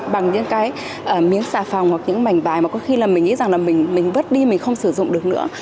bằng những cái miếng xà phòng hoặc những mảnh bài mà có khi là mình nghĩ rằng là mình vứt đi mình không sử dụng được nữa